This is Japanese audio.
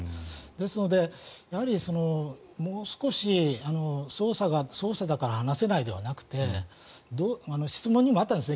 ですので、もう少し捜査だから話せないではなくてどう質問にもあったんです